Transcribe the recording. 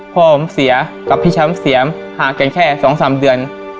พ่อผมเสียกับพี่แชมป์เสียมหากันแค่๒๓เดือน